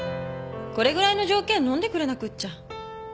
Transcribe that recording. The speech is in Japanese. これぐらいの条件のんでくれなくっちゃ。